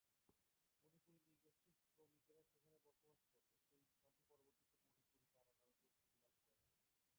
মণিপুরি নৃ-গোষ্ঠীর শ্রমিকেরা সেখানে বসবাস করতো, সেই স্থানটি পরবর্তীতে 'মণিপুরী পাড়া' নামে পরিচিতি লাভ করে।